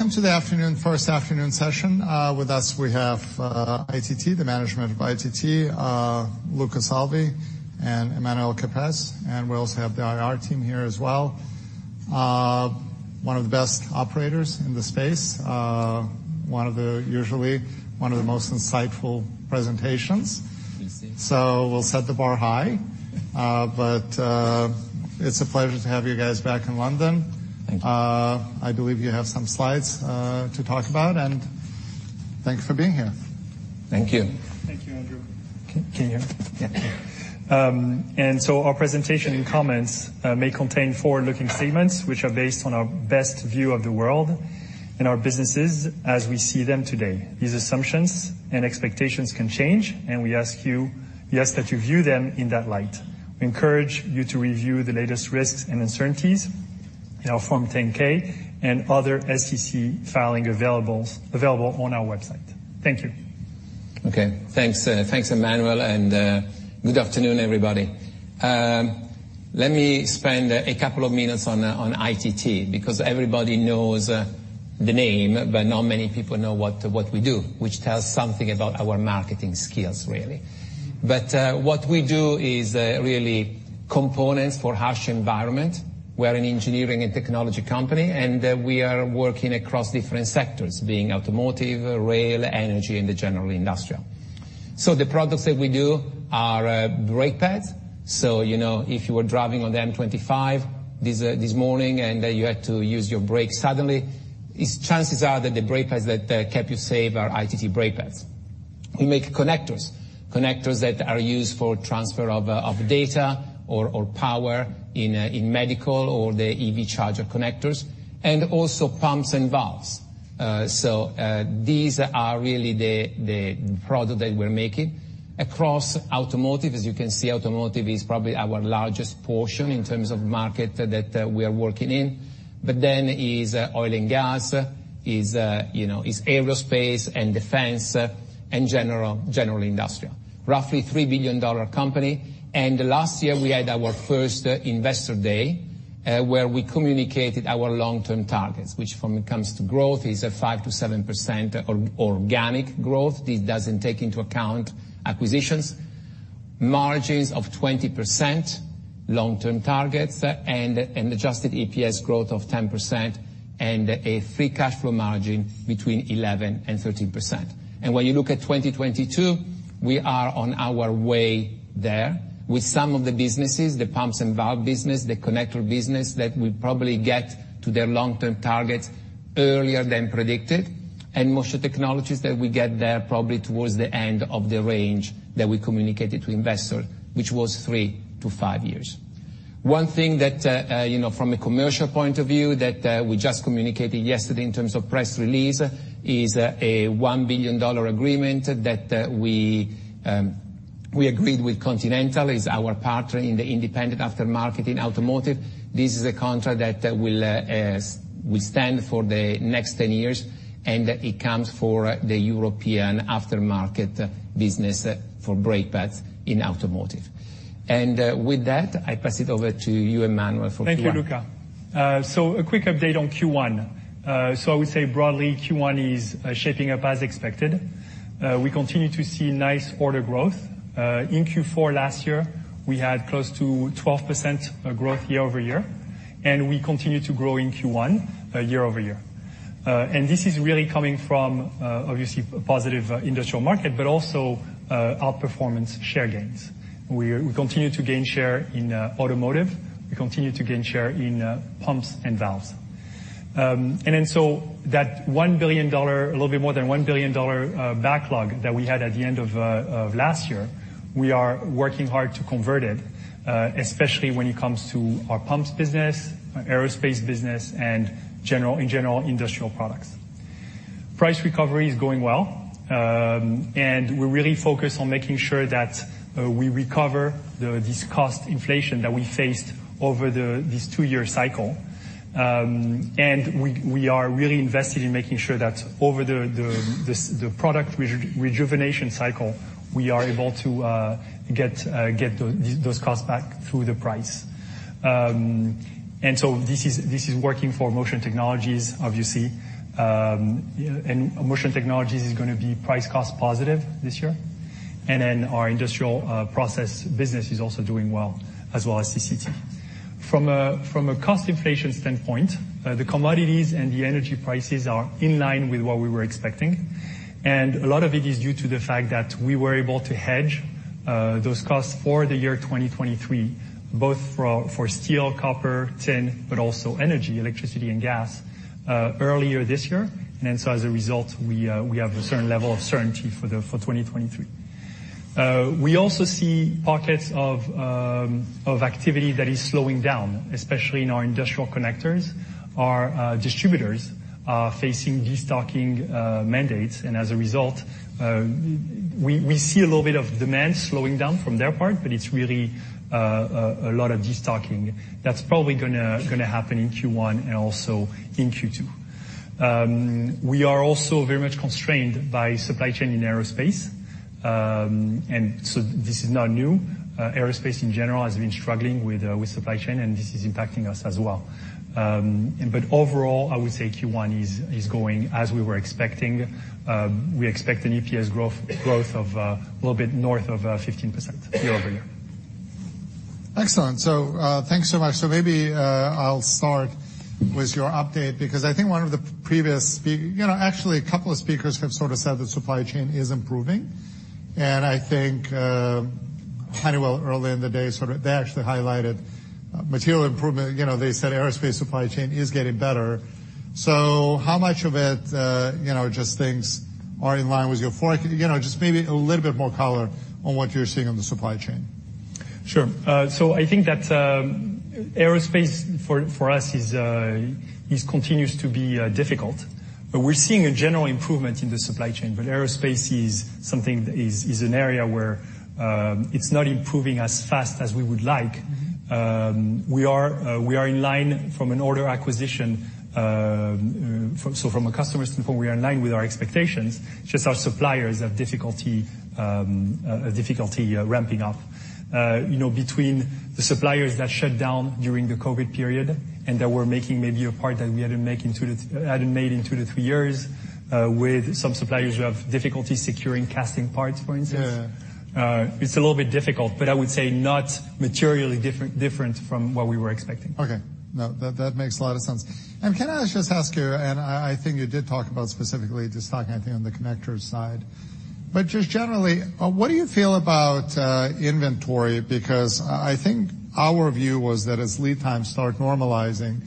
Welcome to the afternoon, first afternoon session. With us we have ITT, the management of ITT, Luca Savi and Emmanuel Caprais. We also have the IR team here as well. One of the best operators in the space, usually one of the most insightful presentations. Thank you. We'll set the bar high. It's a pleasure to have you guys back in London. Thank you. I believe you have some slides to talk about. Thanks for being here. Thank you. Thank you, Andrew. Can you hear? Yeah. Our presentation and comments may contain forward-looking statements which are based on our best view of the world and our businesses as we see them today. These assumptions and expectations can change, and we ask you, yes, that you view them in that light. We encourage you to review the latest risks and uncertainties in our Form 10-K and other SEC filing available on our website. Thank you. Okay. Thanks, thanks, Emmanuel, good afternoon, everybody. Let me spend a couple of minutes on ITT because everybody knows the name, but not many people know what we do, which tells something about our marketing skills really. What we do is really components for harsh environment. We're an engineering and technology company, and we are working across different sectors, being automotive, rail, energy, and the general industrial. The products that we do are brake pads. You know, if you were driving on the M25 this morning and you had to use your brakes suddenly, these chances are that the brake pads that kept you safe are ITT brake pads. We make connectors that are used for transfer of data or power in medical or the EV charger connectors and also pumps and valves. These are really the product that we're making. Across automotive, as you can see, automotive is probably our largest portion in terms of market that, we are working in. Is oil and gas, is, you know, is aerospace and defense and general industrial. Roughly $3 billion company. Last year we had our first investor day, where we communicated our long-term targets, which when it comes to growth is a 5%-7% organic growth. This doesn't take into account acquisitions. Margins of 20% long-term targets and adjusted EPS growth of 10% and a free cash flow margin between 11% and 13%. When you look at 2022, we are on our way there. With some of the businesses, the pumps and valve business, the connector business, that will probably get to their long-term targets earlier than predicted. Motion Technologies that we get there probably towards the end of the range that we communicated to investor, which was three to five years. One thing that, you know, from a commercial point of view that we just communicated yesterday in terms of press release is a $1 billion agreement that we agreed with Continental, is our partner in the independent aftermarket in automotive. This is a contract that will stand for the next 10 years, and it comes for the European aftermarket business for brake pads in automotive. With that, I pass it over to you, Emmanuel, for Q1. Thank you, Luca. A quick update on Q1. I would say broadly, Q1 is shaping up as expected. We continue to see nice order growth. In Q4 last year, we had close to 12% growth year-over-year, and we continue to grow in Q1 year-over-year. This is really coming from obviously positive industrial market, but also outperformance share gains. We continue to gain share in automotive. We continue to gain share in pumps and valves. That $1 billion, a little bit more than $1 billion, backlog that we had at the end of last year, we are working hard to convert it, especially when it comes to our pumps business, our aerospace business and in general industrial products. Price recovery is going well. We're really focused on making sure that we recover this cost inflation that we faced over this two year cycle. We are really invested in making sure that over this product rejuvenation cycle, we are able to get those costs back through the price. This is working for Motion Technologies obviously. Motion Technologies is gonna be price cost positive this year. Our industrial process business is also doing well, as well as CCT. From a cost inflation standpoint, the commodities and the energy prices are in line with what we were expecting. A lot of it is due to the fact that we were able to hedge those costs for the year 2023, both for steel, copper, tin, but also energy, electricity and gas earlier this year. As a result, we have a certain level of certainty for 2023. We also see pockets of activity that is slowing down, especially in our industrial connectors. Our distributors are facing destocking mandates. As a result, we see a little bit of demand slowing down from their part, but it's really a lot of destocking. That's probably gonna happen in Q1 and also in Q2. We are also very much constrained by supply chain in aerospace. This is not new. Aerospace in general has been struggling with supply chain. This is impacting us as well. Overall, I would say Q1 is going as we were expecting. We expect an EPS growth of a little bit north of 15% year-over-year. Excellent. Thanks so much. Maybe I'll start with your update because I think one of the previous you know, actually, a couple of speakers have sort of said the supply chain is improving. I think Honeywell earlier in the day sort of they actually highlighted material improvement. You know, they said aerospace supply chain is getting better. How much of it, you know, just things are in line with your forecast? You know, just maybe a little bit more color on what you're seeing on the supply chain? Sure. I think that aerospace for us is continues to be difficult. We're seeing a general improvement in the supply chain, aerospace is something that is an area where it's not improving as fast as we would like. We are in line from an order acquisition, from a customer standpoint, we are in line with our expectations. Just our suppliers have difficulty ramping up. You know, between the suppliers that shut down during the COVID period and that were making maybe a part that we hadn't made in two to three years, with some suppliers who have difficulty securing casting parts, for instance. Yeah. It's a little bit difficult, but I would say not materially different from what we were expecting. Okay. No, that makes a lot of sense. Can I just ask you, and I think you did talk about specifically just talking, I think, on the connectors side. Just generally, what do you feel about inventory? Because I think our view was that as lead times start normalizing,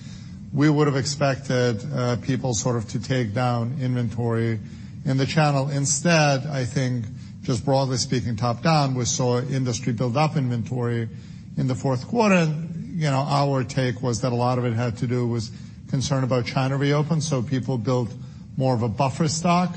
we would have expected people sort of to take down inventory in the channel. Instead, I think just broadly speaking, top-down, we saw industry build up inventory in the fourth quarter. You know, our take was that a lot of it had to do with concern about China reopen, so people built more of a buffer stock.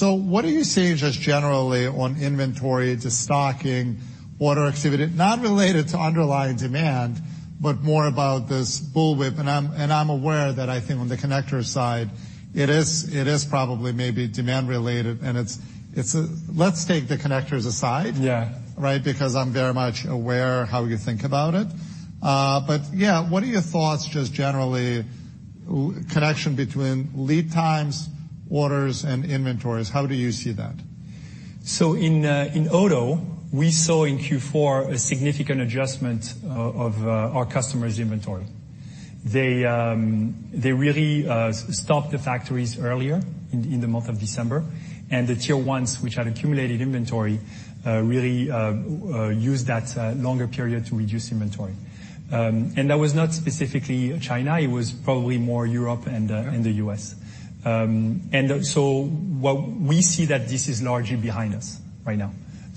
What are you seeing just generally on inventory, the stocking, order activity, not related to underlying demand, but more about this bullwhip? I'm aware that I think on the connector side, it is probably maybe demand related, and it's a. Let's take the connectors aside. Yeah. Right? Because I'm very much aware how you think about it. Yeah, what are your thoughts just generally, connection between lead times, orders, and inventories? How do you see that? In Odoo, we saw in Q4 a significant adjustment of our customers' inventory. They really stopped the factories earlier in the month of December. The tier ones which had accumulated inventory really used that longer period to reduce inventory. That was not specifically China, it was probably more Europe and the U.S. What we see that this is largely behind us right now.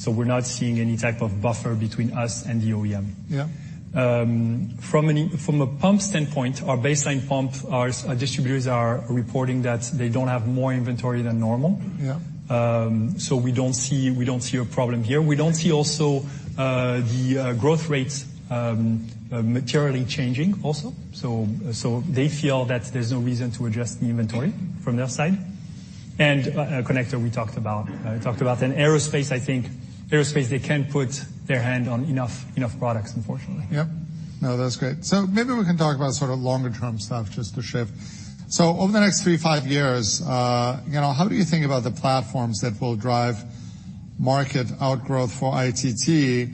We're not seeing any type of buffer between us and the OEM. Yeah. From a pump standpoint, our baseline pump, our distributors are reporting that they don't have more inventory than normal. Yeah. We don't see a problem here. We don't see also the growth rates materially changing also. They feel that there's no reason to adjust the inventory from their side. Connector, we talked about. We talked about. Aerospace, I think aerospace, they can't put their hand on enough products, unfortunately. Yep. No, that's great. Maybe we can talk about sort of longer term stuff just to shift. Over the next three, five years, you know, how do you think about the platforms that will drive market outgrowth for ITT? You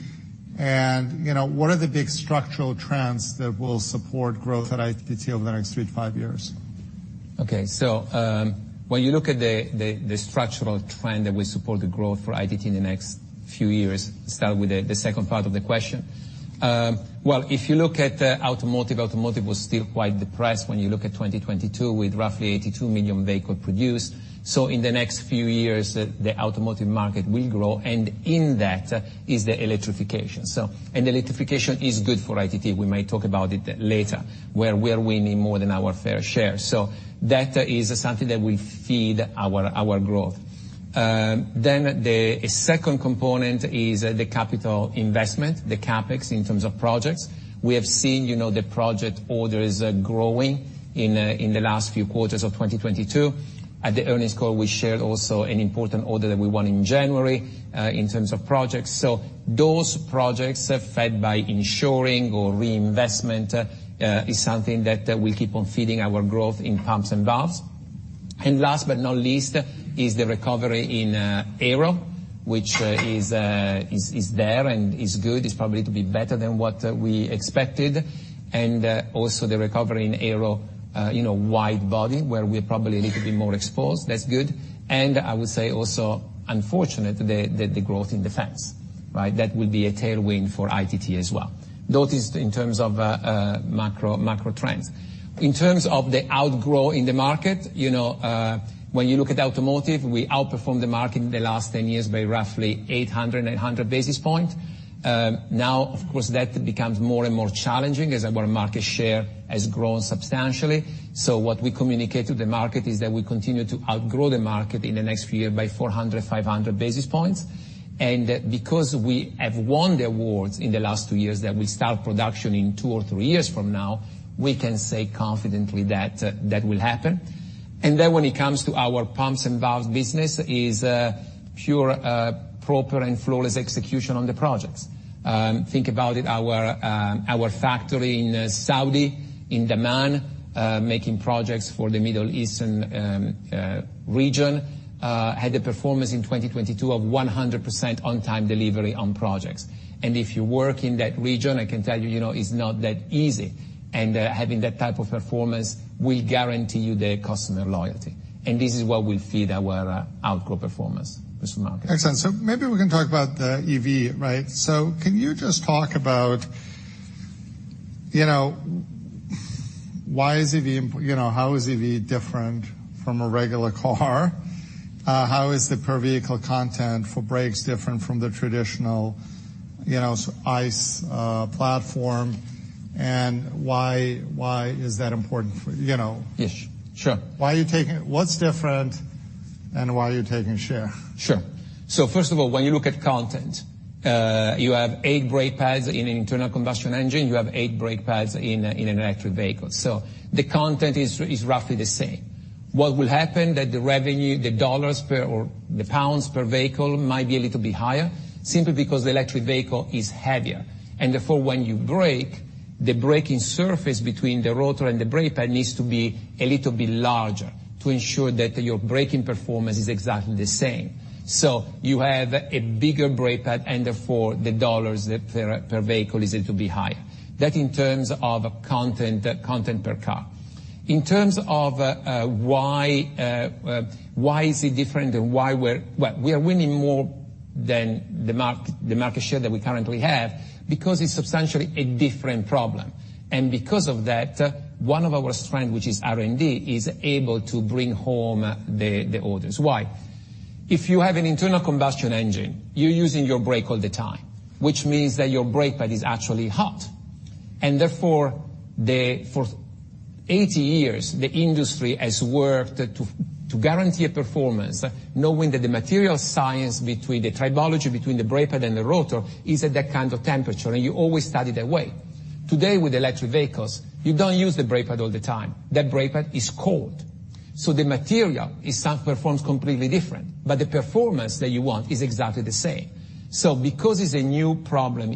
know, what are the big structural trends that will support growth at ITT over the next three to five years? Okay. When you look at the structural trend that will support the growth for ITT in the next few years, start with the second part of the question. Well, if you look at automotive was still quite depressed when you look at 2022 with roughly 82 million vehicle produced. In the next few years, the automotive market will grow, and in that is the electrification. Electrification is good for ITT. We may talk about it later, where we are winning more than our fair share. That is something that will feed our growth. The second component is the capital investment, the CapEx in terms of projects. We have seen, you know, the project orders growing in the last few quarters of 2022. At the earnings call, we shared also an important order that we won in January in terms of projects. Those projects fed by ensuring or reinvestment is something that will keep on feeding our growth in pumps and valves. Last but not least is the recovery in Aero, which is there and is good. It's probably to be better than what we expected. Also the recovery in Aero, you know, wide body, where we're probably a little bit more exposed. That's good. I would say also unfortunate the growth in defense, right? That would be a tailwind for ITT as well. Those in terms of macro trends. In terms of the outgrow in the market, you know, when you look at automotive, we outperformed the market in the last 10 years by roughly 800-900 basis points. Of course, that becomes more and more challenging as our market share has grown substantially. What we communicate to the market is that we continue to outgrow the market in the next few year by 400-500 basis points. Because we have won the awards in the last two years that we start production in two or three years from now, we can say confidently that that will happen. When it comes to our pumps and valves business is pure, proper and flawless execution on the projects. Think about it, our factory in Saudi, in Dammam, making projects for the Middle Eastern region, had a performance in 2022 of 100% on-time delivery on projects. And if you work in that region, I can tell you know, it's not that easy. And having that type of performance will guarantee you the customer loyalty, and this is what will feed our outgrow performance, Mr. Mark. Excellent. Maybe we can talk about the EV, right? Can you just talk about, you know, why is EV, you know, how is EV different from a regular car? How is the per vehicle content for brakes different from the traditional, you know, ICE platform, and why is that important for, you know? Yes, sure. Why are you taking it? What's different, and why are you taking share? Sure. First of all, when you look at content, you have eight brake pads in an internal combustion engine, you have eight brake pads in an electric vehicle. The content is roughly the same. What will happen that the revenue, the $ per or the GBP per vehicle might be a little bit higher simply because the electric vehicle is heavier. Therefore, when you brake, the braking surface between the rotor and the brake pad needs to be a little bit larger to ensure that your braking performance is exactly the same. You have a bigger brake pad, therefore, the dollars that there are per vehicle is a little bit higher. That in terms of content per car. In terms of, why is it different and why we're... Well, we are winning more than the market share that we currently have, because it's substantially a different problem. Because of that, one of our strength, which is R&D, is able to bring home the orders. Why? If you have an internal combustion engine, you're using your brake all the time, which means that your brake pad is actually hot. Therefore, for 80 years, the industry has worked to guarantee a performance, knowing that the material science between the tribology between the brake pad and the rotor is at that kind of temperature, and you always study that way. Today with electric vehicles, you don't use the brake pad all the time. That brake pad is cold, so the material itself performs completely different. The performance that you want is exactly the same. Because it's a new problem,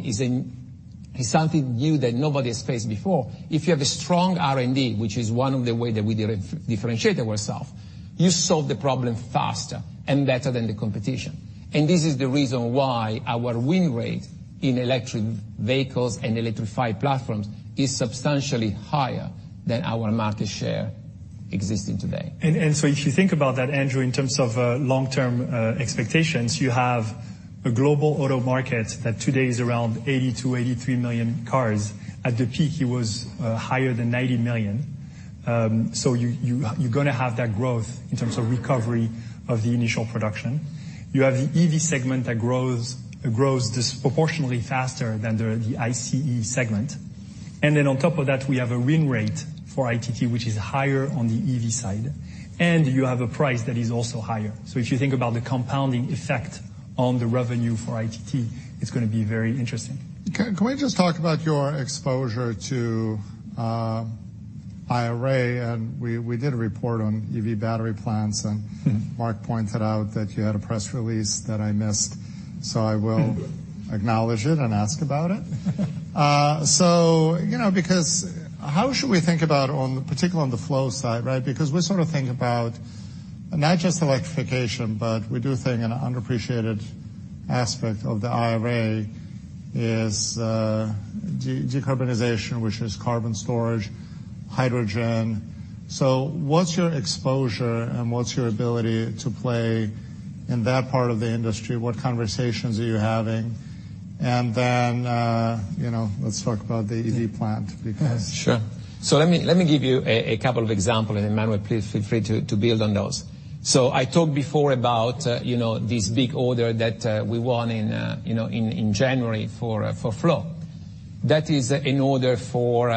it's something new that nobody has faced before. If you have a strong R&D, which is one of the way that we differentiate ourselves, you solve the problem faster and better than the competition. This is the reason why our win rate in electric vehicles and electrified platforms is substantially higher than our market share existing today. If you think about that, Andrew, in terms of long-term expectations, you have a global auto market that today is around 80 million-83 million cars. At the peak, it was higher than 90 million. You're gonna have that growth in terms of recovery of the initial production. You have the EV segment that grows disproportionately faster than the ICE segment. On top of that, we have a win rate for ITT, which is higher on the EV side, and you have a price that is also higher. If you think about the compounding effect on the revenue for ITT, it's gonna be very interesting. Can we just talk about your exposure to IRA? We did a report on EV battery plans, Mark pointed out that you had a press release that I missed, so I will acknowledge it and ask about it. You know, because how should we think about on, particularly on the flow side, right? Because we sort of think about not just electrification, but we do think an underappreciated aspect of the IRA is decarbonization, which is carbon storage, hydrogen. What's your exposure, and what's your ability to play in that part of the industry? What conversations are you having? Then, you know, let's talk about the EV plant because- Sure. Let me give you a couple of examples. Emmanuel, please feel free to build on those. I talked before about, you know, this big order that we won in, you know, in January for flow. That is an order for,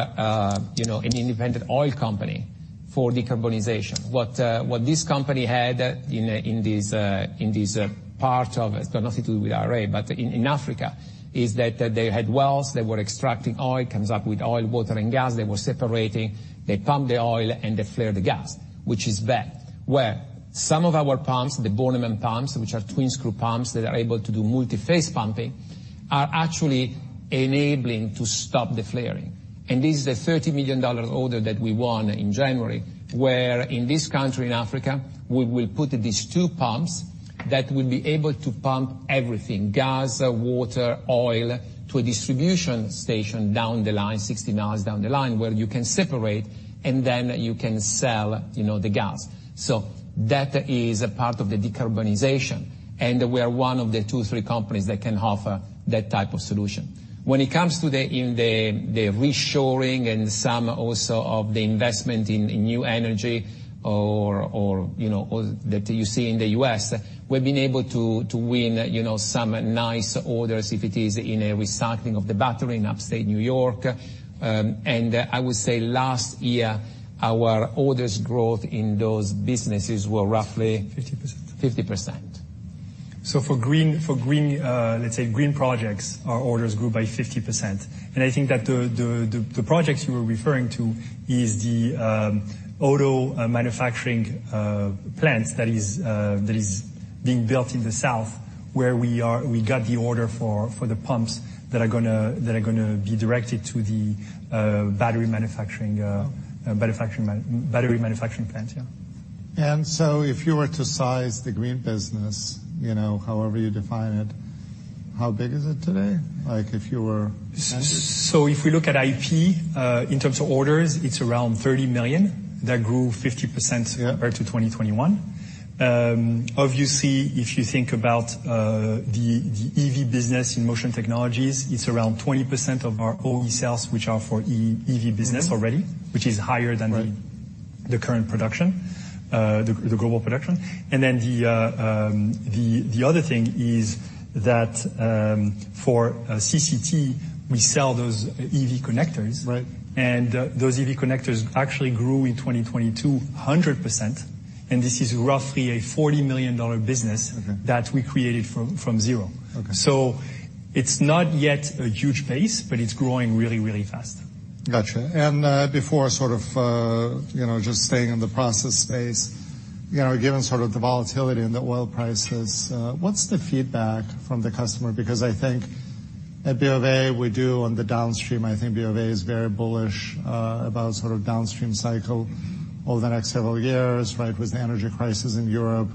you know, an independent oil company for decarbonization. What this company had in this, in this part of, it's got nothing to do with IRA, but in Africa, is that they had wells, they were extracting oil, comes up with oil, water, and gas. They were separating, they pump the oil, and they flare the gas, which is bad. Where some of our pumps, the Bornemann pumps, which are twin-screw pumps that are able to do multiphase pumping, are actually enabling to stop the flaring. This is a $30 million order that we won in January. Where in this country, in Africa, we will put these two pumps that will be able to pump everything, gas, water, oil, to a distribution station down the line, 60 mi down the line, where you can separate and then you can sell, you know, the gas. That is a part of the decarbonization, and we are one of the two, three companies that can offer that type of solution. When it comes to the reshoring and some also of the investment in new energy or, you know, that you see in the U.S., we've been able to win, you know, some nice orders if it is in a recycling of the battery in Upstate New York. I would say last year, our orders growth in those businesses were. 50%. 50%. For green, let's say green projects, our orders grew by 50%. I think that the projects you were referring to is the auto manufacturing plants that is being built in the south where we are... we got the order for the pumps that are gonna be directed to the battery manufacturing plant, yeah. If you were to size the green business, you know, however you define it, how big is it today? Like if you were to estimate. If we look at IP, in terms of orders, it's around $30 million that grew 50%. Yeah. -year to 2021. obviously, if you think about, the EV business Inmotion Technologies, it's around 20% of our OE sales, which are for E-EV business already. Mm-hmm. which is higher than the- Right. The current production, the global production. The other thing is that, for CCT, we sell those EV connectors. Right. Those EV connectors actually grew in 2022 100%, and this is roughly a $40 million business. Okay. that we created from zero. Okay. It's not yet a huge pace, but it's growing really, really fast. Gotcha. Before sort of, you know, just staying in the process space, you know, given sort of the volatility in the oil prices, what's the feedback from the customer? I think at BofA we do on the downstream, I think BofA is very bullish, about sort of downstream cycle over the next several years, right? With the energy crisis in Europe,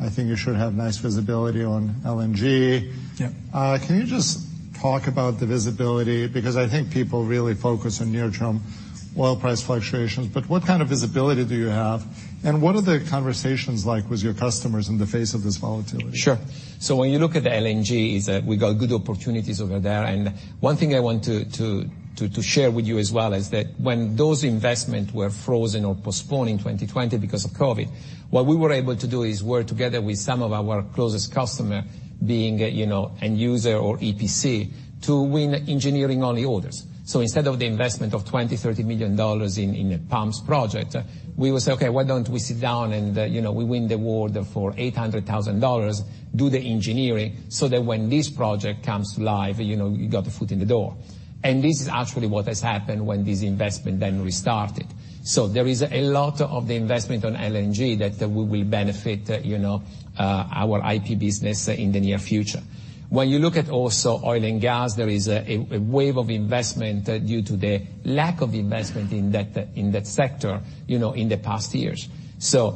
I think you should have nice visibility on LNG. Yeah. Can you just talk about the visibility? I think people really focus on near term oil price fluctuations, but what kind of visibility do you have, and what are the conversations like with your customers in the face of this volatility? Sure. When you look at LNG is that we got good opportunities over there. One thing I want to share with you as well is that when those investment were frozen or postponed in 2020 because of COVID, what we were able to do is work together with some of our closest customer being, you know, end user or EPC to win engineering-only orders. Instead of the investment of $20 million-$30 million in a pumps project, we will say, "Okay, why don't we sit down and, you know, we win the award for $800,000, do the engineering, so that when this project comes to life, you know, you got the foot in the door." This is actually what has happened when this investment then restarted. There is a lot of the investment on LNG that we will benefit, you know, our IP business in the near future. When you look at also oil and gas, there is a wave of investment due to the lack of investment in that sector, you know, in the past years. There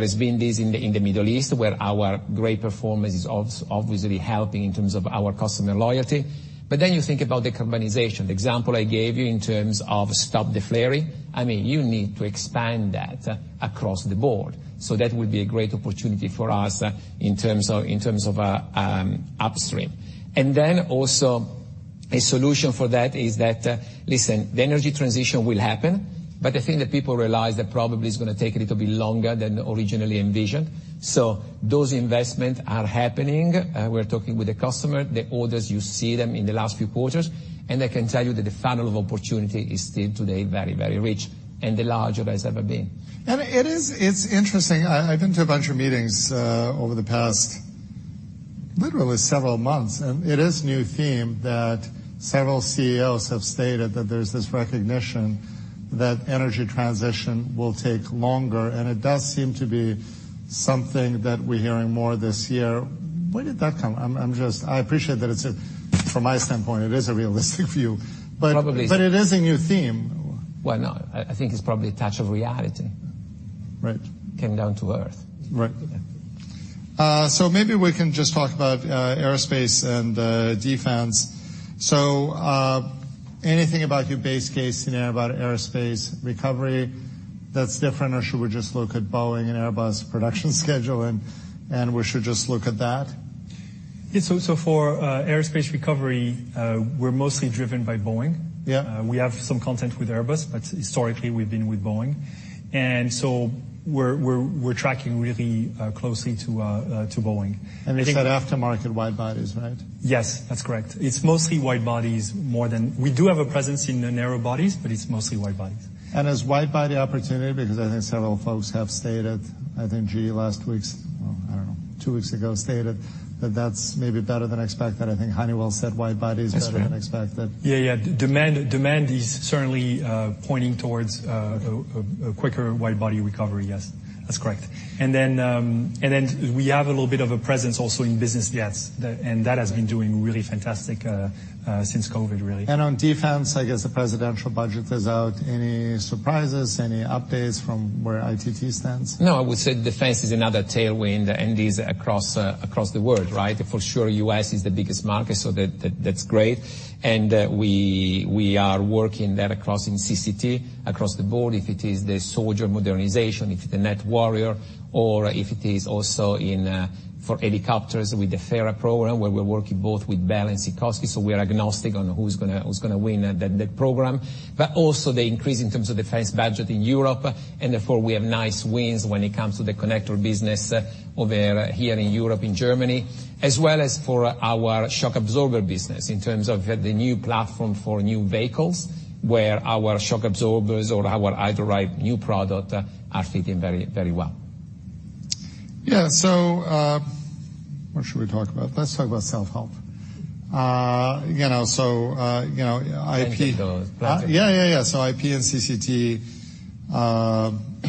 has been this in the Middle East where our great performance is obviously helping in terms of our customer loyalty. You think about the carbonization, the example I gave you in terms of stop the flaring. I mean, you need to expand that across the board. That would be a great opportunity for us in terms of upstream. Also a solution for that is that, listen, the energy transition will happen, but I think that people realize that probably it's gonna take a little bit longer than originally envisioned. Those investments are happening. We're talking with the customer. The orders, you see them in the last few quarters. I can tell you that the funnel of opportunity is still today very, very rich and the largest it has ever been. It is, it's interesting. I've been to a bunch of meetings, over the past literally several months, it is new theme that several CEOs have stated that there's this recognition that energy transition will take longer, it does seem to be something that we're hearing more this year. Where did that come? I appreciate that it's a, from my standpoint, it is a realistic view. Probably. It is a new theme. Well, no, I think it's probably a touch of reality. Right. Came down to earth. Right. Yeah. Maybe we can just talk about aerospace and defense. Anything about your base case, you know, about aerospace recovery that's different, or should we just look at Boeing and Airbus production schedule and we should just look at that? Yeah. For aerospace recovery, we're mostly driven by Boeing. Yeah. We have some content with Airbus, but historically we've been with Boeing. We're tracking really closely to Boeing. They said aftermarket wide bodies, right? Yes, that's correct. It's mostly wide bodies more than... We do have a presence in the narrow bodies, but it's mostly wide bodies. As wide body opportunity, because I think several folks have stated, I think GE two weeks ago stated that that's maybe better than expected. I think Honeywell said wide body is better than expected. Yeah, yeah. Demand, demand is certainly pointing towards a quicker wide body recovery. Yes, that's correct. Then we have a little bit of a presence also in business jets and that has been doing really fantastic since COVID, really. On defense, I guess the presidential budget is out. Any surprises? Any updates from where ITT stands? No, I would say defense is another tailwind, and it is across the world, right? For sure, U.S. is the biggest market, so that's great. We are working that across in CCT, across the board, if it is the soldier modernization, if it's the Nett Warrior, or if it is also for helicopters with the FARA program, where we're working both with Bell and Sikorsky. We are agnostic on who's gonna win the program. Also the increase in terms of defense budget in Europe, and therefore we have nice wins when it comes to the connector business over here in Europe, in Germany, as well as for our shock absorber business in terms of the new platform for new vehicles, where our shock absorbers or our HydroRide new product are fitting very, very well. Yeah. What should we talk about? Let's talk about self-help. You know, you know, IP- Thank you, though. Yeah, yeah. IP and CCT, you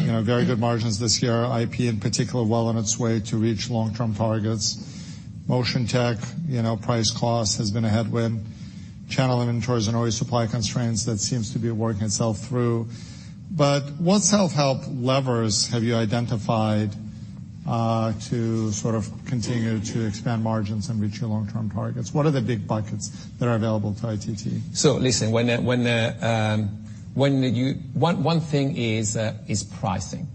know, very good margins this year. IP in particular, well on its way to reach long-term targets. Motion Tech, you know, price cost has been a headwind. Channel inventories and always supply constraints, that seems to be working itself through. What self-help levers have you identified to sort of continue to expand margins and reach your long-term targets? What are the big buckets that are available to ITT? Listen, when the one thing is pricing.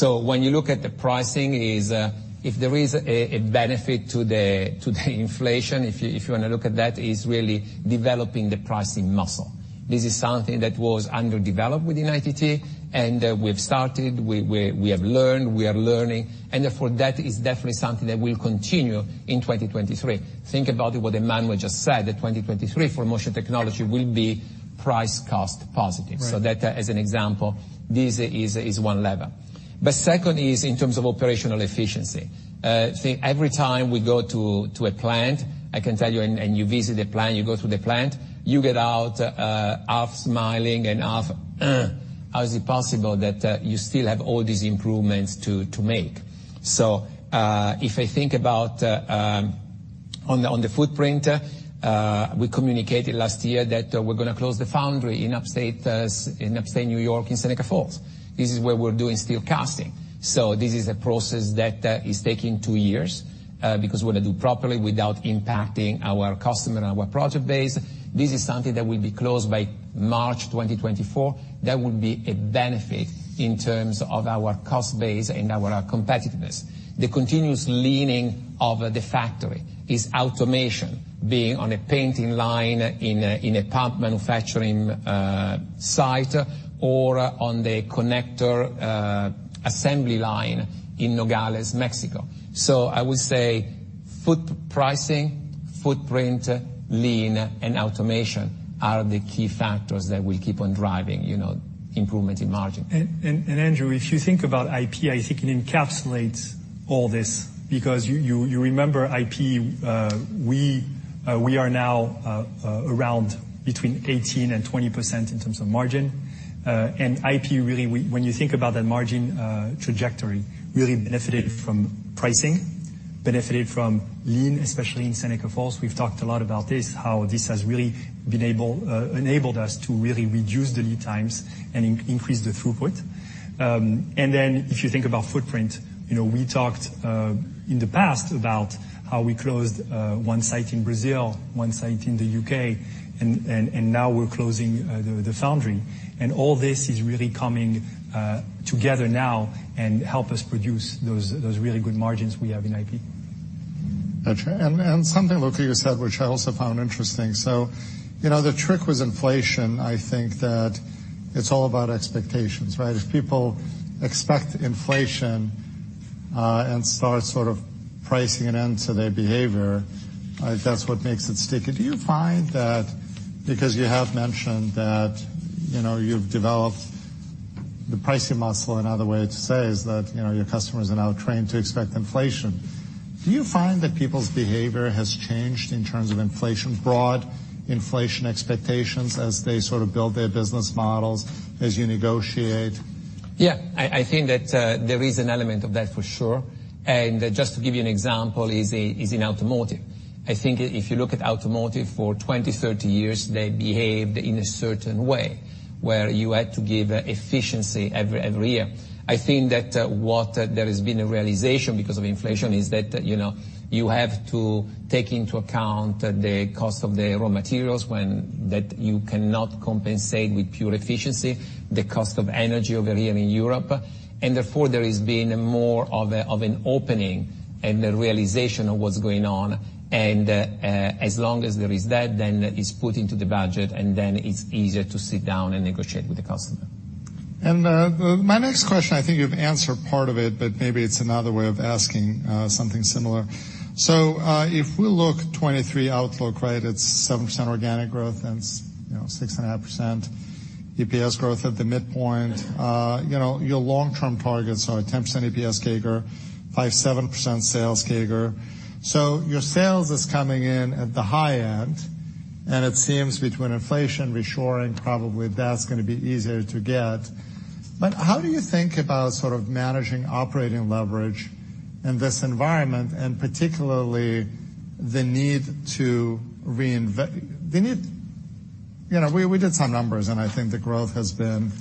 When you look at the pricing is, if there is a benefit to the inflation, if you wanna look at that, is really developing the pricing muscle. This is something that was underdeveloped within ITT, and we've started, we have learned, we are learning, and therefore that is definitely something that will continue in 2023. Think about what Emmanuel just said, that 2023 for Motion Technologies will be price cost positive. Right. That as an example, this is one lever. Second is in terms of operational efficiency. Every time we go to a plant, I can tell you, and you visit a plant, you go through the plant, you get out half smiling and half, "How is it possible that you still have all these improvements to make?" If I think about on the footprint, we communicated last year that we're gonna close the foundry in Upstate New York in Seneca Falls. This is where we're doing steel casting. This is a process that is taking two years because we wanna do properly without impacting our customer and our project base. This is something that will be closed by March 2024. That will be a benefit in terms of our cost base and our competitiveness. The continuous leaning of the factory is automation, being on a painting line in a pump manufacturing site or on the connector assembly line in Nogales, Mexico. I would say foot pricing, footprint, lean, and automation are the key factors that will keep on driving, you know, improvement in margin. Andrew, if you think about IP, I think it encapsulates all this because you remember IP, we are now around between 18% and 20% in terms of margin. IP, really when you think about that margin trajectory, really benefited from pricing, benefited from lean, especially in Seneca Falls. We've talked a lot about this, how this has really enabled us to really reduce the lead times and increase the throughput. If you think about footprint, you know, we talked in the past about how we closed one site in Brazil, one site in the U.K, and now we're closing the foundry. All this is really coming together now and help us produce those really good margins we have in IP. Got you. Something, Luca, you said, which I also found interesting. You know, the trick with inflation, I think that it's all about expectations, right? If people expect inflation and start sort of pricing it into their behavior, that's what makes it sticky. Do you find that, because you have mentioned that, you know, you've developed the pricing muscle, another way to say is that, you know, your customers are now trained to expect inflation, do you find that people's behavior has changed in terms of inflation, broad inflation expectations, as they sort of build their business models as you negotiate? Yeah. I think that there is an element of that for sure. Just to give you an example is in automotive. I think if you look at automotive for 20, 30 years, they behaved in a certain way, where you had to give efficiency every year. I think that what there has been a realization because of inflation is that, you know, you have to take into account the cost of the raw materials when that you cannot compensate with pure efficiency, the cost of energy over here in Europe. Therefore, there has been more of an opening and the realization of what's going on. As long as there is that, then it's put into the budget, and then it's easier to sit down and negotiate with the customer. My next question, I think you've answered part of it, but maybe it's another way of asking, something similar. If we look 2023 outlook, right, it's 7% organic growth and 6.5% EPS growth at the midpoint. You know, your long-term targets are a 10% EPS CAGR, 5%-7% sales CAGR. Your sales is coming in at the high end, and it seems between inflation, reshoring, probably that's gonna be easier to get. How do you think about sort of managing operating leverage in this environment, and particularly the need. You know, we did some numbers, and I think the growth has been,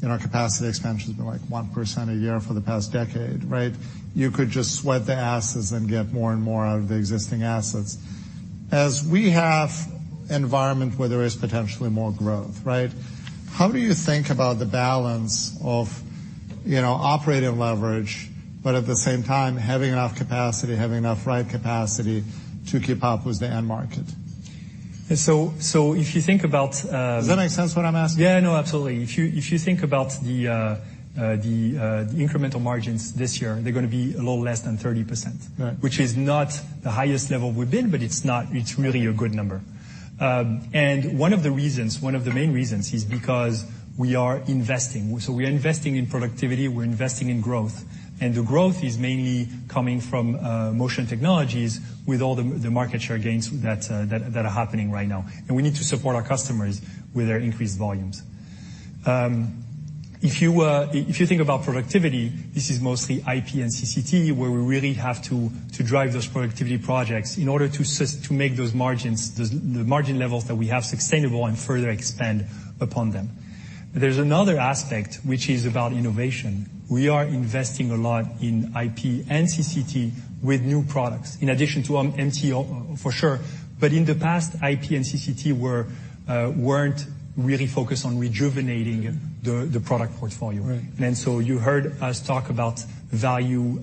and our capacity expansion has been like 1% a year for the past decade, right? You could just sweat the assets and get more and more out of the existing assets. As we have environment where there is potentially more growth, right? How do you think about the balance of, you know, operating leverage, but at the same time, having enough capacity, having enough right capacity to keep up with the end market? So if you think about. Does that make sense what I'm asking? Yeah, no, absolutely. If you think about the incremental margins this year, they're gonna be a little less than 30%. Right. Which is not the highest level we've been, but it's really a good number. One of the reasons, one of the main reasons is because we are investing. We are investing in productivity, we're investing in growth, and the growth is mainly coming from Motion Technologies with all the market share gains that are happening right now. We need to support our customers with their increased volumes. If you think about productivity, this is mostly IP and CCT, where we really have to drive those productivity projects in order to make the margin levels that we have sustainable and further expand upon them. There's another aspect which is about innovation. We are investing a lot in IP and CCT with new products in addition to MTO for sure. In the past, IP and CCT weren't really focused on rejuvenating the product portfolio. Right. You heard us talk about value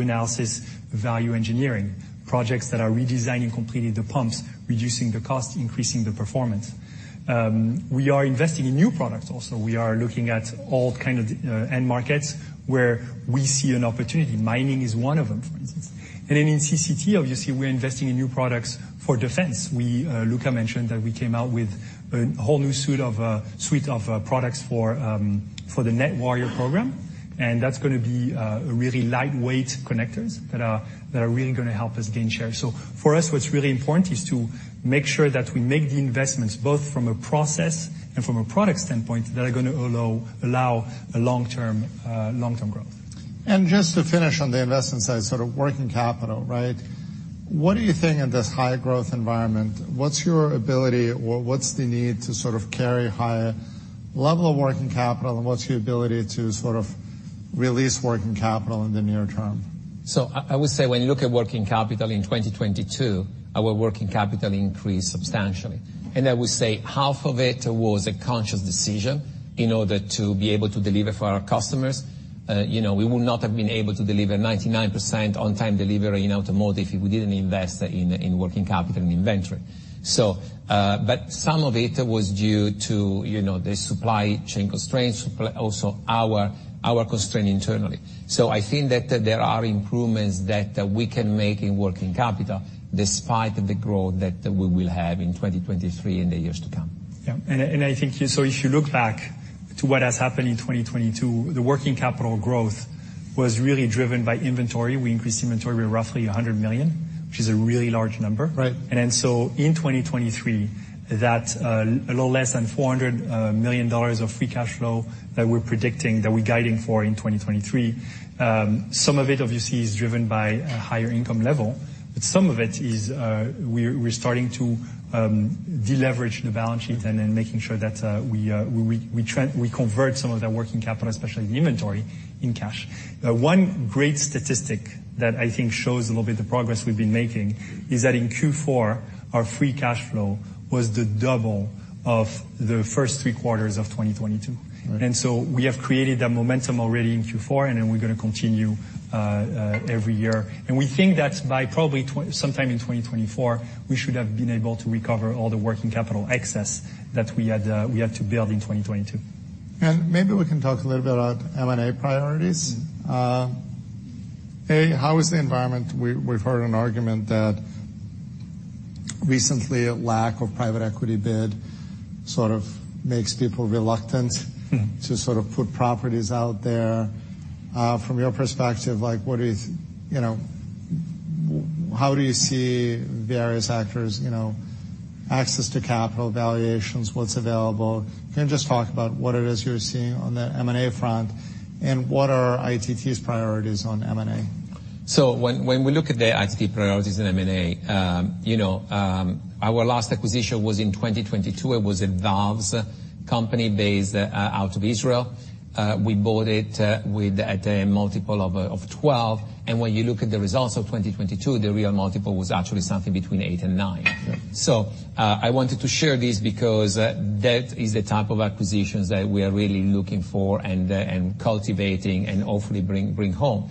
analysis, value engineering, projects that are redesigning completely the pumps, reducing the cost, increasing the performance. We are investing in new products also. We are looking at all kind of end markets where we see an opportunity. Mining is one of them, for instance. In CCT, obviously, we're investing in new products for defense. We, Luca mentioned that we came out with a whole new suite of products for the Net Warrior program, and that's gonna be a really lightweight connectors that are really gonna help us gain share. For us, what's really important is to make sure that we make the investments both from a process and from a product standpoint that are gonna allow a long-term growth. Just to finish on the investment side, sort of working capital, right? What are you thinking of this high growth environment? What's your ability or what's the need to sort of carry higher level of working capital, and what's your ability to sort of release working capital in the near term? I would say when you look at working capital in 2022, our working capital increased substantially. I would say half of it was a conscious decision in order to be able to deliver for our customers. you know, we would not have been able to deliver 99% on time delivery in automotive if we didn't invest in working capital and inventory. But some of it was due to, you know, the supply chain constraints, but also our constraint internally. I think that there are improvements that we can make in working capital despite the growth that we will have in 2023 and the years to come. Yeah. I think if you look back to what has happened in 2022, the working capital growth was really driven by inventory. We increased inventory by roughly $100 million, which is a really large number. Right. In 2023, that a little less than $400 million of free cash flow that we're predicting, that we're guiding for in 2023, some of it obviously is driven by a higher income level, but some of it is we're starting to deleverage the balance sheet and then making sure that we convert some of that working capital, especially the inventory, in cash. One great statistic that I think shows a little bit the progress we've been making is that in Q4, our free cash flow was the double of the first three quarters of 2022. Right. We have created that momentum already in Q4, we're gonna continue every year. We think that by probably sometime in 2024, we should have been able to recover all the working capital excess that we had to build in 2022. Maybe we can talk a little bit about M&A priorities. Mm. How is the environment? We've heard an argument that recently a lack of private equity bid sort of makes people reluctant Mm. To sort of put properties out there. From your perspective, like what is, you know, how do you see various actors, you know, access to capital valuations, what's available? Can you just talk about what it is you're seeing on the M&A front, and what are ITT's priorities on M&A? When we look at the ITT priorities in M&A, you know, our last acquisition was in 2022. It was a valves company based out of Israel. We bought it with a multiple of 12, and when you look at the results of 2022, the real multiple was actually something between eight and nine. Right. I wanted to share this because, that is the type of acquisitions that we are really looking for and cultivating and hopefully bring home.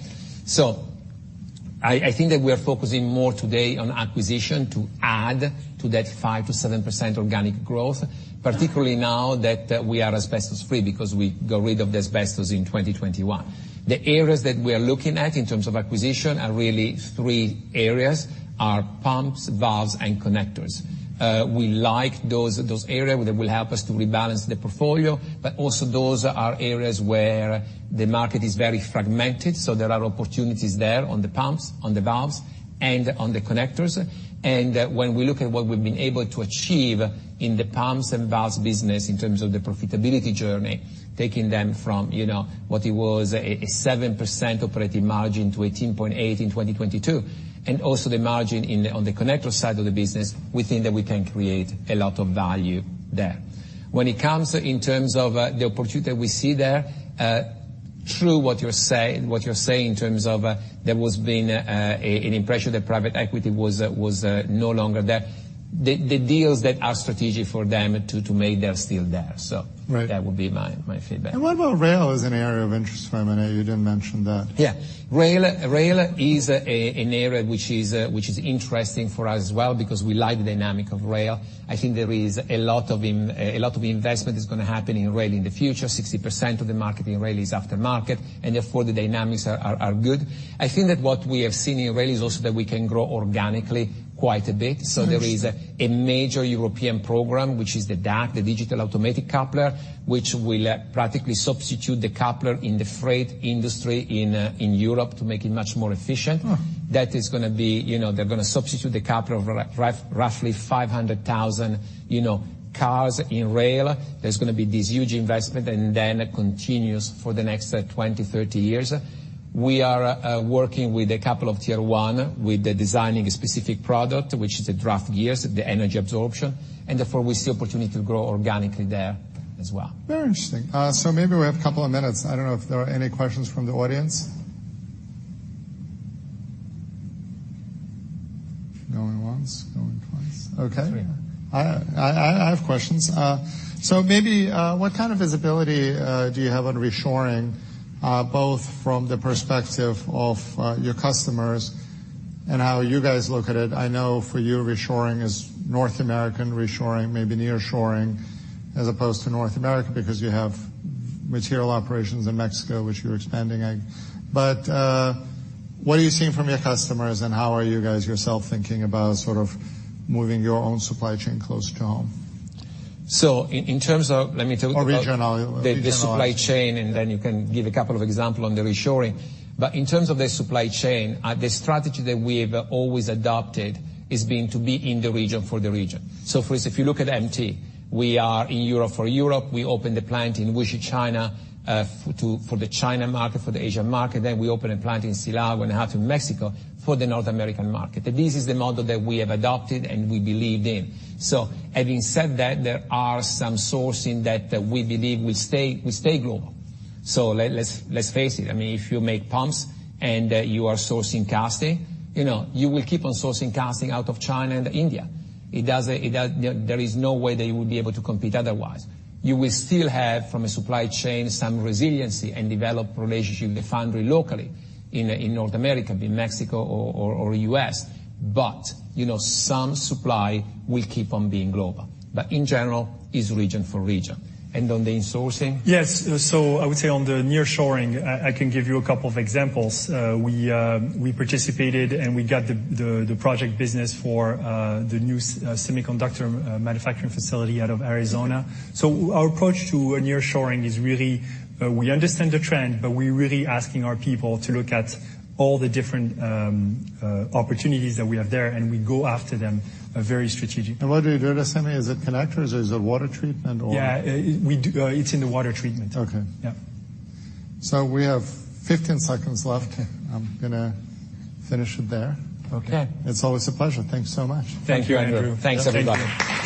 I think that we are focusing more today on acquisition to add to that 5%-7% organic growth, particularly now that we are asbestos-free because we got rid of the asbestos in 2021. The areas that we are looking at in terms of acquisition are really three areas, are pumps, valves, and connectors. We like those area that will help us to rebalance the portfolio, but also those are areas where the market is very fragmented. There are opportunities there on the pumps, on the valves, and on the connectors. When we look at what we've been able to achieve in the pumps and valves business in terms of the profitability journey, taking them from, you know, what it was a 7% operating margin to 18.8% in 2022, and also the margin on the connector side of the business, we think that we can create a lot of value there. When it comes in terms of the opportunity we see there, True what you're saying in terms of there was been an impression that private equity was no longer there. The deals that are strategic for them to make, they're still there. So. Right. That would be my feedback. What about rail as an area of interest for Emona? You didn't mention that. Yeah. Rail is an area which is interesting for us as well because we like the dynamic of rail. I think there is a lot of investment is gonna happen in rail in the future. 60% of the market in rail is aftermarket. Therefore, the dynamics are good. I think that what we have seen in rail is also that we can grow organically quite a bit. Nice. There is a major European program, which is the DAC, the digital automatic coupler, which will practically substitute the coupler in the freight industry in Europe to make it much more efficient. Mm. That is going to be. You know, they're going to substitute the coupler of roughly 500,000, you know, cars in rail. There's going to be this huge investment, and then it continues for the next 20, 30 years. We are working with a couple of tier one with the designing a specific product, which is the draft gears, the energy absorption, and therefore we see opportunity to grow organically there as well. Very interesting. Maybe we have a couple of minutes. I don't know if there are any questions from the audience. Going once, going twice. Okay. Three. I have questions. Maybe what kind of visibility do you have on reshoring both from the perspective of your customers and how you guys look at it? I know for you, reshoring is North American reshoring, maybe nearshoring as opposed to North America because you have material operations in Mexico, which you're expanding. What are you seeing from your customers, and how are you guys yourself thinking about sort of moving your own supply chain closer to home? In terms of, let me talk about. Regional. The supply chain. You can give a couple of example on the reshoring. In terms of the supply chain, the strategy that we have always adopted is being to be in the region for the region. For instance, if you look at MT, we are in Europe for Europe. We opened a plant in Wuxi, China, for the China market, for the Asian market. We open a plant in Silao and Mexico for the North American market. This is the model that we have adopted and we believed in. Having said that, there are some sourcing that we believe will stay global. Let's face it, I mean, if you make pumps and you are sourcing casting, you know, you will keep on sourcing casting out of China and India. It doesn't... There is no way that you would be able to compete otherwise. You will still have from a supply chain some resiliency and develop relationship with foundry locally in North America, be it Mexico or U.S. You know, some supply will keep on being global. In general, it's region for region. On the insourcing? Yes. I would say on the nearshoring, I can give you a couple of examples. We participated, and we got the project business for the new semiconductor manufacturing facility out of Arizona. Our approach to a nearshoring is really, we understand the trend, but we're really asking our people to look at all the different opportunities that we have there, and we go after them very strategically. What do you do there, Sammy? Is it connectors? Is it water treatment or? Yeah. We do... it's in the water treatment. Okay. Yeah. We have 15 seconds left. Okay. I'm gonna finish it there. Okay. It's always a pleasure. Thank you so much. Thank you, Andrew. Thank you. Thanks, everybody.